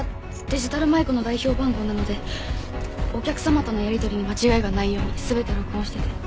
デジタル舞子の代表番号なのでお客様とのやりとりに間違いがないように全て録音してて。